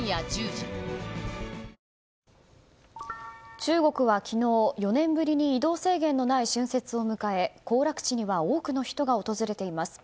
中国は、昨日４年ぶりに移動制限のない春節を迎え、行楽地には多くの人が訪れています。